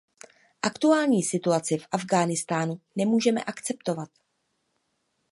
Aktuální situaci v Afghánistánu nemůžeme akceptovat.